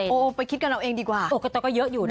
โอ้ไปคิดกันเราเองดีกว่าโอเคแต่ก็เยอะอยู่นะ